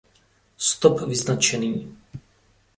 Stop vyznačený.